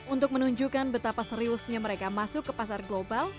untuk menunjukkan betapa seriusnya mereka masuk ke pasar global